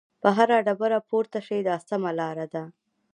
په هره ډبره پورته شئ دا سمه لار ده.